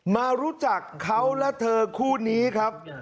มารู้จักเขาและเธอคู่นี้ครับ